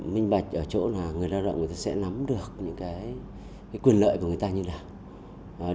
mình bạch ở chỗ là người lao động sẽ nắm được những cái quyền lợi của người ta như thế nào